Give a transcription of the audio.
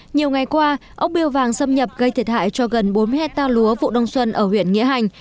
nhiều ngày qua ốc biêu vàng xâm nhập gây thiệt hại cho gần bốn mươi hectare lúa vụ đông xuân ở huyện nghĩa hành